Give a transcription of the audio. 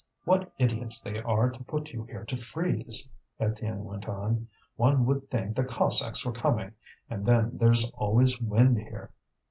"What idiots they are to put you here to freeze!" Étienne went on. "One would think the Cossacks were coming! And then there's always wind here."